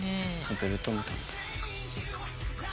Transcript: ベルトみたいな。